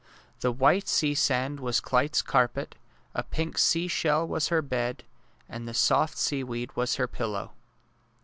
The white sea sand was Clyte 's carpet, a pink seashell was her bed, and the soft sea weed was her pillow.